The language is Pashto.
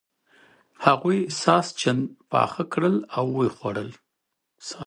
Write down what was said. هغوی ساسچن پاخه کړل او و یې خوړل.